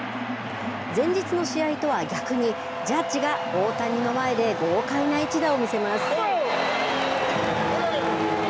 前日の試合とは逆にジャッジが大谷の前で豪快な一打を見せます。